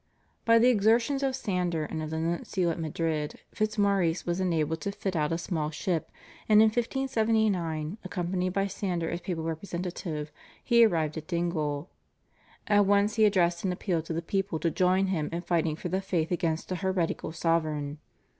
By the exertions of Sander and of the nuncio at Madrid, Fitzmaurice was enabled to fit out a small ship, and in 1579, accompanied by Sander as papal representative, he arrived in Dingle. At once he addressed an appeal to the people to join him in fighting for the faith against a heretical sovereign.